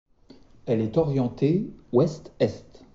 Elle est orientée ouest-est.